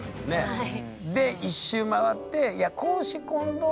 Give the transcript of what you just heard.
はい。